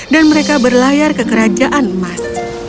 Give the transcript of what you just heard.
dan mereka berlayar ke kerajaan emas